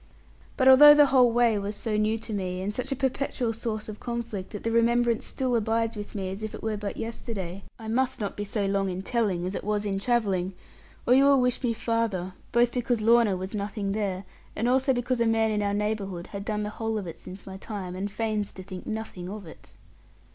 But although the whole way was so new to me, and such a perpetual source of conflict, that the remembrance still abides with me, as if it were but yesterday, I must not be so long in telling as it was in travelling, or you will wish me farther; both because Lorna was nothing there, and also because a man in our neighbourhood had done the whole of it since my time, and feigns to think nothing of it.